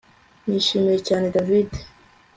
Nishimiye cyane David